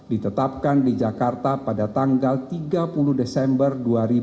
ditetapkan di jakarta pada tanggal tiga puluh desember dua ribu dua puluh